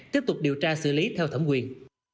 tiếp tục điều tra xử lý theo thẩm quyền